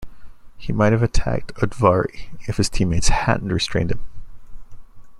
He might have attacked Udvari if his teammates hadn't restrained him.